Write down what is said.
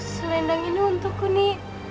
selendang ini untukku nini